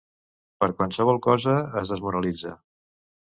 Per qualsevol cosa es desmoralitza.